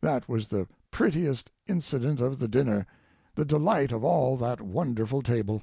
That was the prettiest incident of the dinner, the delight of all that wonderful table.